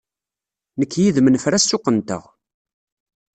Nekk yid-m nefra ssuq-nteɣ.